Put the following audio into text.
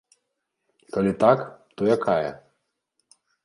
Калі так, то якая?